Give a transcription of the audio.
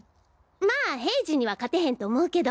まぁ平次には勝てへんと思うけど。